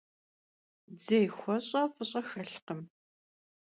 Dzêy xueş'e f'ış'e xelhkhım.